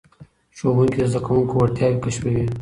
ښوونکي د زده کوونکو وړتیاوې کشفوي.